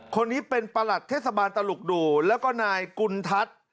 คนนี้เป็นประหลัดเทศบาลตลุกดูแล้วก็นายกุณฑัศน์